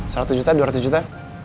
satu juta dua ratus juta